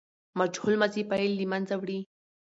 مجهول ماضي فاعل له منځه وړي.